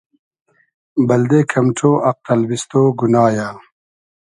بئلدې کئم ݖۉ آق تئلبیستۉ گونا یۂ